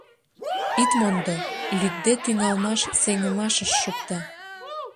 Ит мондо — лӱдде тӱҥалмаш сеҥымашыш шукта.